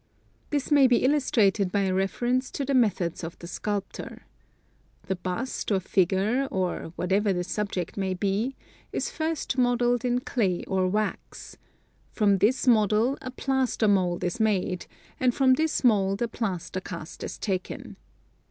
This may be illustrated by a reference to the methods of the sculptor. The bust, or figure, or whatever the subject may be, is first modeled in clay or wax; from this model a plaster mould is made, and from this mould a plaster cast is taken.